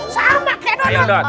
sama kayak dodot